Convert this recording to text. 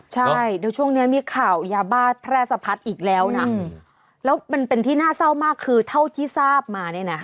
ใช่เดี๋ยวช่วงนี้มีข่าวยาบ้าแพร่สะพัดอีกแล้วนะแล้วมันเป็นที่น่าเศร้ามากคือเท่าที่ทราบมาเนี่ยนะ